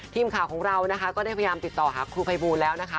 ทีมข่าวของเรานะคะก็ได้พยายามติดต่อหาครูภัยบูลแล้วนะคะ